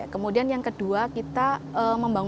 kemudian yang kedua kita membangun